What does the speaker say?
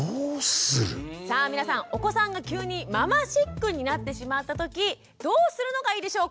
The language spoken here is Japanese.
さあ皆さんお子さんが急にママシックになってしまった時どうするのがいいでしょうか？